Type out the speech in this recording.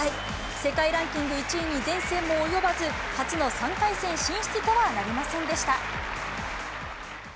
世界ランキング１位に善戦も及ばず、初の３回戦進出とはなりませんでした。